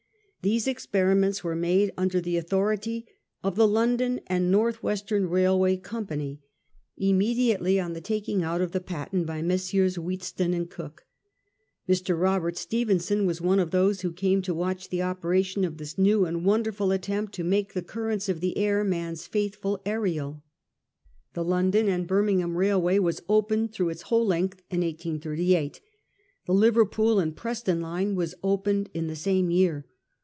These experiments were made under the authority of the London and North Western Kailway Company, immediately on ' the taking out of the patent by Messrs. Wheatstone and Cooke. Mr. Robert Ste phenson was one of those who came to watch the ope ration of this new and wonderful attempt to make the currents of the air man's faithful Ariel. The London and Birmingham Railway was opened through its whole length in 1838. The Liverpool and Preston line was opened in the same year.